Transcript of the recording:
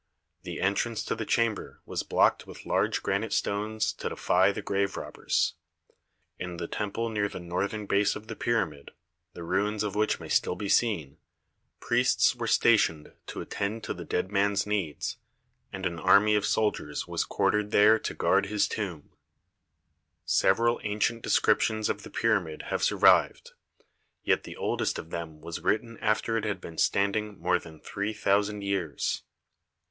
The entrance to the chamber was blocked with large granite stones to defy the grave robbers. In the temple near the northern base of the pyramid, the ruins of which ma3 r still be seen, priests were stationed to attend to the dead man's needs, and an army of soldiers was quartered there to guard his tomb. Several ancient descriptions of the pyramid have survived, yet the oldest of them was written after it had been standing more than three thousand years.